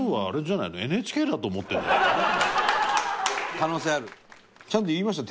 可能性ある。